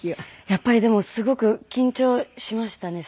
やっぱりでもすごく緊張しましたね。